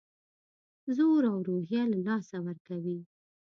زور او روحیه له لاسه ورکړه.